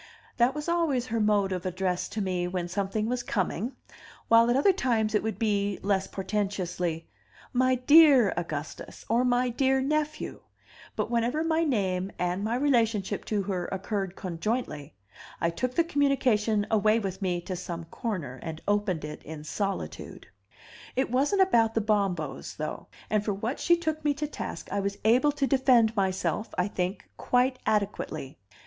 That was always her mode of address to me when something was coming, while at other times it would be, less portentously, "My dear Augustus," or "My dear nephew "; but whenever my name and my relationship to her occurred conjointly, I took the communication away with me to some corner, and opened it in solitude. It wasn't about the Bombos, though; and for what she took me to task I was able to defend myself, I think, quite adequately.